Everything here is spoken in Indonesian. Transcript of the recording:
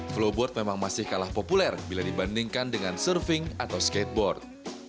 flowboard memang masih kalah populer bila dibandingkan dengan surfing atau skateboard